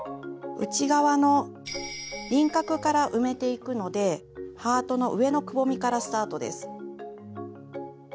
内側の輪郭から埋めていくのでハートの上のくぼみからスタートです。